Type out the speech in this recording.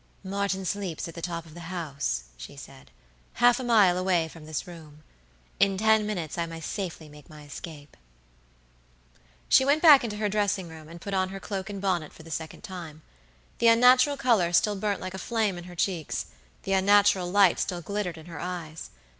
"Martin sleeps at the top of the house," she said, "half a mile away from this room. In ten minutes I may safely make my escape." She went back into her dressing room, and put on her cloak and bonnet for the second time. The unnatural color still burnt like a flame in her cheeks; the unnatural light still glittered in her eyes.